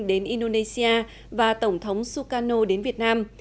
đến indonesia và tổng thống sukarno đến việt nam